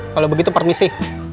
kalo begitu permisi